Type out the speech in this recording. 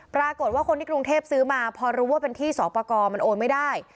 ปรากฏว่าคนที่กรุงเทพซื้อมาพอรู้ว่าเป็นที่สอบประกอบมันโอนไม่ได้